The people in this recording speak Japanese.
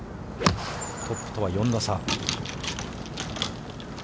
トップとは４打差。